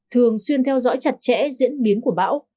thường xuyên theo dõi chặt chẽ diễn biến của bão